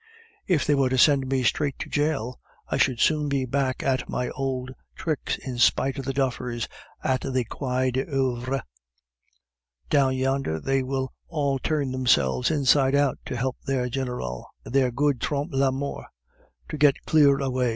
If they were to send me straight to jail, I should soon be back at my old tricks in spite of the duffers at the Quai des Orfevres. Down yonder they will all turn themselves inside out to help their general their good Trompe la Mort to get clear away.